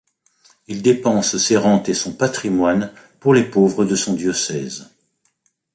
Il dépense ses rentes et son patrimoine pour les pauvres de son diocèse.